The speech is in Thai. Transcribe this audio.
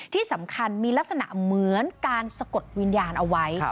ที่สำคัญมีลักษณะเหมือนการสะกดวิญญาณเอาไว้